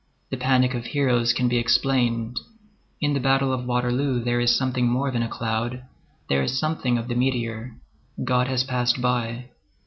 The panic of heroes can be explained. In the battle of Waterloo there is something more than a cloud, there is something of the meteor. God has passed by.